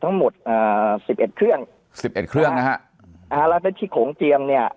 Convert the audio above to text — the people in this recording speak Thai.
อ่าสิบเอ็ดเครื่องสิบเอ็ดเครื่องนะฮะอ่าแล้วก็ที่โขงเจียมเนี้ย